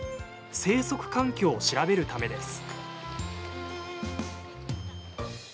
生息環境を調べるためです。